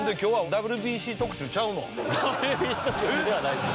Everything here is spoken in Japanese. ＷＢＣ特集ではないですよ。